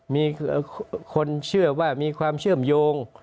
มีคนเชื่อว่ามีความเชื่อมโยง